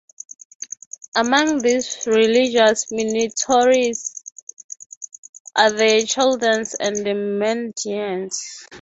Among these religious minorities are the Chaldeans and the Mandaeans.